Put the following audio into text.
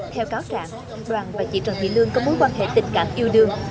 theo cáo trạng đoàn và chị trần thị lương có mối quan hệ tình cảm yêu đương